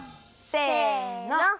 せの！